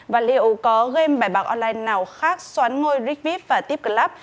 và liệu có game bài bạc online nào khác xoán ngôi rickvie và tipclub